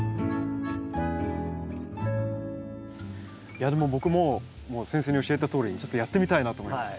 いやでも僕も先生の教えたとおりにちょっとやってみたいなと思います。